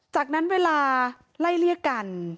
จากนั้นเวลาไล่เลี่ยกัน